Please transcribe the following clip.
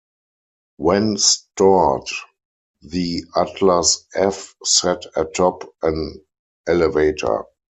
When stored, the Atlas F sat atop an elevator.